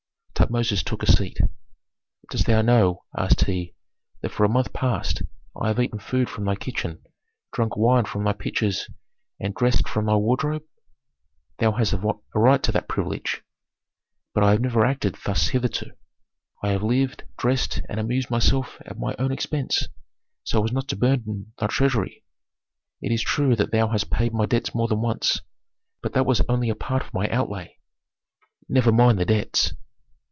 Tutmosis took a seat. "Dost thou know," asked he, "that for a month past I have eaten food from thy kitchen, drunk wine from thy pitchers, and dressed from thy wardrobe?" "Thou hast a right to that privilege." "But I have never acted thus hitherto. I have lived, dressed, and amused myself at my own expense, so as not to burden thy treasury. It is true that thou hast paid my debts more than once, but that was only a part of my outlay." "Never mind the debts!"